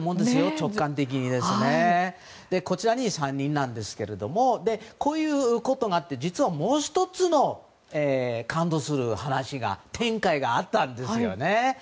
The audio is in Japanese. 直感的にこちらの３人なんですがこういうことがあってもう１つの感動する話展開があったんです。